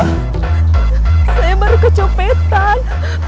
saya baru kecopetan